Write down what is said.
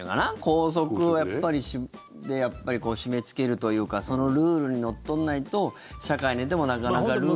校則はやっぱり締めつけるというかそのルールにのっとらないと社会に出てもなかなかルール。